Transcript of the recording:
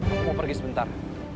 aku mau pergi sebentar